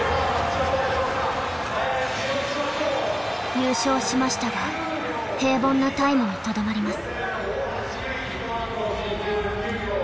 優勝しましたが平凡なタイムにとどまります。